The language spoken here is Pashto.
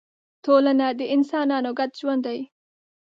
ټولنه د انسانانو ګډ ژوند دی.